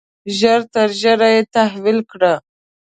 ژر تر ژره یې تحویل کړه.